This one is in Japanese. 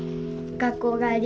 学校帰り